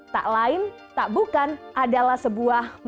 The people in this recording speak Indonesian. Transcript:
tak lain tak bukan adalah sebuah benda asing